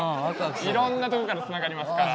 いろんなとこからつながりますから。